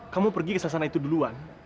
kamu pergi ke sana sana itu duluan